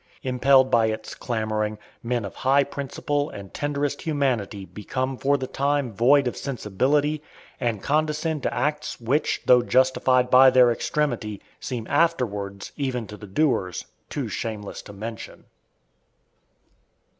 Impelled by its clamoring, men of high principle and tenderest humanity become for the time void of sensibility, and condescend to acts which, though justified by their extremity, seem afterwards, even to the doers, too shameless to mention.